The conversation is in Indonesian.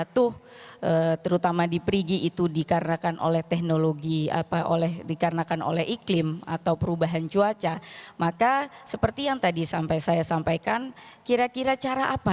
terhadap iklim atau perubahan cuaca maka seperti yang tadi sampai saya sampaikan kira kira cara apa